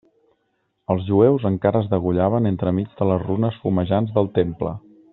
Els jueus encara es degollaven entremig de les runes fumejants del Temple.